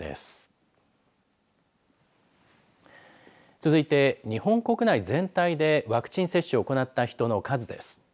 続いて、日本国内全体でワクチン接種を行った人の数です。